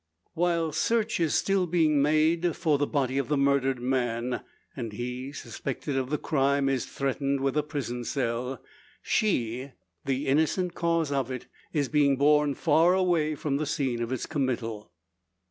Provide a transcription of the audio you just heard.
While search is still being made for the body of the murdered man, and he suspected of the crime is threatened with a prison cell, she, the innocent cause of it, is being borne far away from the scene of its committal.